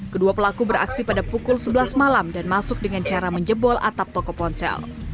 kedua pelaku beraksi pada pukul sebelas malam dan masuk dengan cara menjebol atap toko ponsel